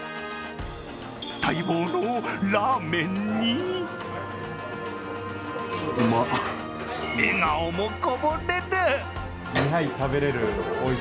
待望のラーメンに笑顔もこぼれる。